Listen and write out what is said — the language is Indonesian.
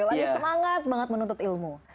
ada semangat banget menuntut ilmu